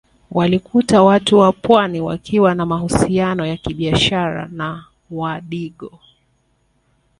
Walikuta Watu wa Pwani wakiwa na mahusiano ya kibiashara na Wadigo